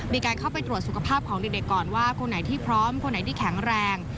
มีการเข้าไปตรวจสุขภาพของเด็กก่อนว่าคนไหนที่พร้อมคนไหนที่แข็งแรง